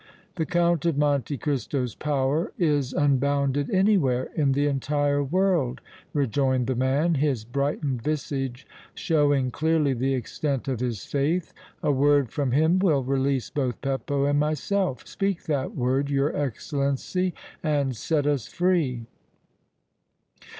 "The Count of Monte Cristo's power is unbounded anywhere in the entire world," rejoined the man, his brightened visage showing clearly the extent of his faith. "A word from him will release both Beppo and myself. Speak that word, your Excellency, and set us free!"